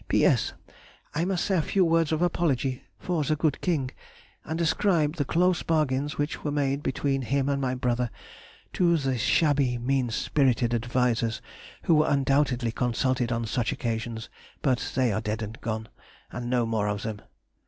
P.S.—I must say a few words of apology for the good King, and ascribe the close bargains which were made between him and my brother to the shabby, mean spirited advisers who were undoubtedly consulted on such occasions; but they are dead and gone, and no more of them!